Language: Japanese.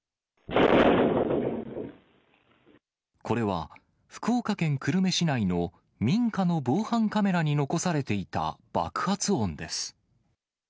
これは、福岡県久留米市内の民家の防犯カメラに残されていた爆発音です。